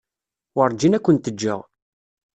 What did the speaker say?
Werǧin ad kent-ǧǧeɣ.